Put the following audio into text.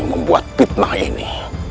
membuat fitnah ini